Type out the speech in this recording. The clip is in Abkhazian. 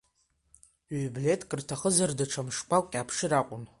Ҩблеҭк рҭахызар, даҽа мшқәак иааԥшыр акәын.